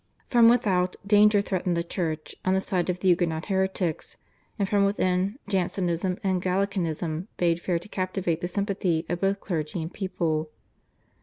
From without, danger threatened the Church on the side of the Huguenot heretics, and from within, Jansenism and Gallicanism bade fair to captivate the sympathy of both clergy and people.